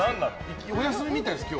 お休みみたいです、今日。